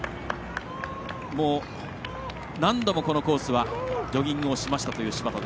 もう、何度もこのコースはジョギングしましたという柴田。